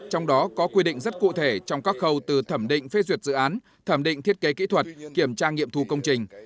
trong đó có quy định rất cụ thể trong các khâu từ thẩm định phê duyệt dự án thẩm định thiết kế kỹ thuật kiểm tra nghiệm thu công trình